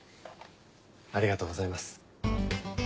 ありがとうございます。